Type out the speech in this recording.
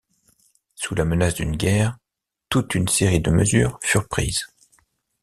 Sous la menace d’une guerre, tout une série de mesures furent prises.